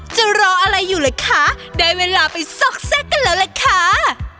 จะรออะไรอยู่ล่ะคะได้เวลาไปซอกแทรกกันแล้วล่ะค่ะ